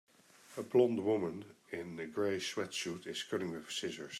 A blond woman in a gray sweatshirt is cutting with scissors.